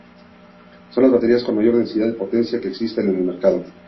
Son las baterías con mayor densidad de potencia que existen en el mercado.